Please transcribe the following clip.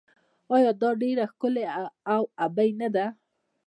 آیا دا ډیره ښکلې او ابي نه ده؟